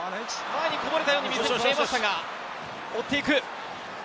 前にこぼれたように見えましたが追っていく。